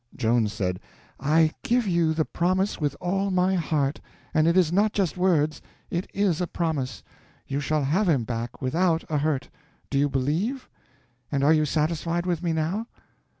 Joan said: "I give you the promise with all my heart; and it is not just words, it is a promise; you shall have him back without a hurt. Do you believe? And are you satisfied with me now?"